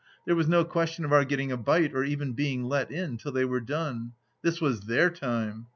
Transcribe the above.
There was no question of our getting a bite or even being let in till they were done. This was their time.